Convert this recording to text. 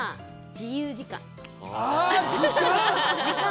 自由時間。